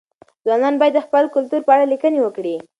ځوانان باید د خپل کلتور په اړه لیکني وکړي.